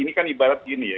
ini kan ibarat gini ya